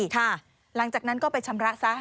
หลังจากนั้นก็ไปชำระซะ